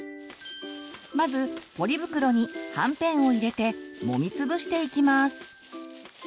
まずポリ袋にはんぺんを入れてもみつぶしていきます。